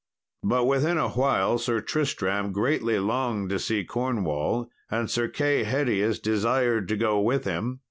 But within a while Sir Tristram greatly longed to see Cornwall, and Sir Kay Hedius desired to go with him.